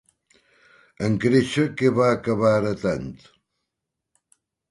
En créixer, què va acabar heretant?